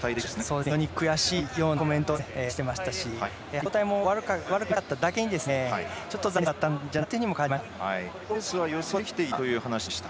非常に悔しいようなコメントを出してましたし状態も悪くなかっただけにちょっと残念なレースだったんじゃないかなと感じました。